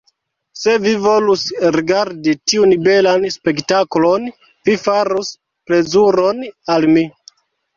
Se vi volus rigardi tiun belan spektaklon, vi farus plezuron al mi.